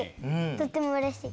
とってもうれしい。